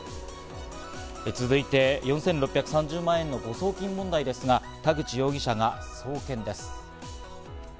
続いて４６３０万円の誤送金問題ですが、田口容疑者が送検です。